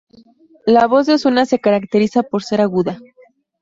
La voz de Ozuna se caracteriza por ser aguda.